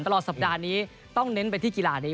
ตลอดสัปดาห์นี้ต้องเน้นไปที่กีฬานี้